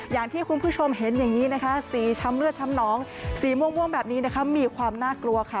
อย่างที่คุณผู้ชมเห็นอย่างนี้นะคะสีช้ำเลือดช้ำน้องสีม่วงแบบนี้นะคะมีความน่ากลัวค่ะ